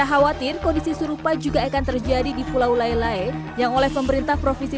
khawatir kondisi serupa juga akan terjadi di pulau lailae yang oleh pemerintah provinsi